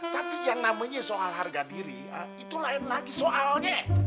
tapi yang namanya soal harga diri itu lain lagi soalnya